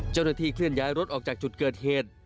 เจ้าหน้าที่เคลื่อนย้ายรถออกจากชุดเกิดเหตุ